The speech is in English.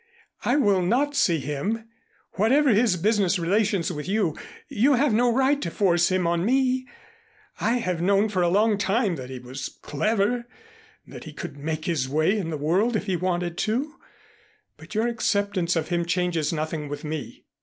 I will not see him. Whatever his business relations with you, you have no right to force him on me. I have known for a long time that he was clever, that he could make his way in the world if he wanted to, but your acceptance of him changes nothing with me."